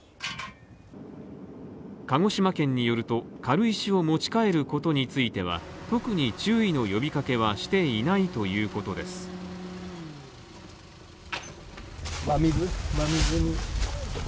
鹿児島県によると、軽石を持ち帰ることについては、特に注意の呼びかけはしていないということです。